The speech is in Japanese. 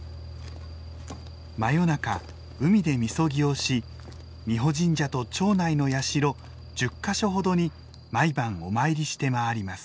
真夜中海で禊をし美保神社と町内の社１０か所ほどに毎晩お参りして回ります。